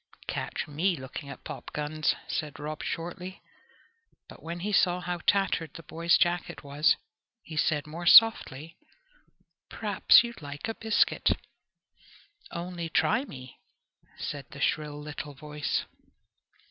"Catch me looking at popguns!" said Rob shortly. But when he saw how tattered the boy's jacket was, he said more softly, "P'r'aps you'd like a biscuit?" "Only try me!" said the shrill little voice.